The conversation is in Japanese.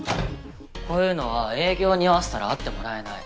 こういうのは営業をにおわせたら会ってもらえない